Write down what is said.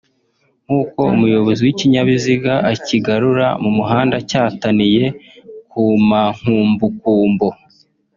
nk’uko umuyobozi w’ikinyabiziga akigarura mu muhanda cyataniye ku mankumbukumbo